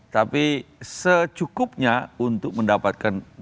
tapi secukupnya untuk mendapatkan dukungan mayoritas